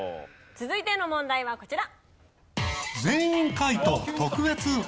続いての問題はこちら。